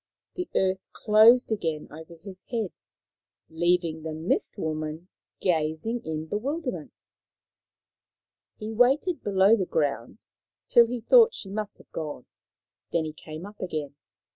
The earth closed again over his head, leaving the Mist woman gazing in bewilderment. He waited below the ground till he thought she must have gone, then he came up again.